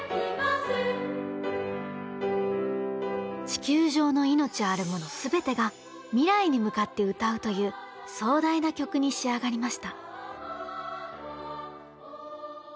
地球上の命あるもの全てが未来に向かって歌うという壮大な曲に仕上がりました。